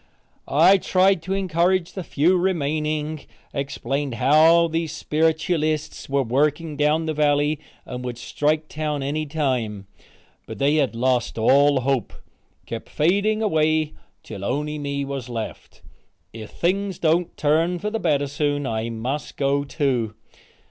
I tried to encourage the few remaining, explained how the sperritualists were working down the valley and would strike town any time, but they had lost all hope kept fading away till only me was left. If things don't turn for the better soon I must go, too.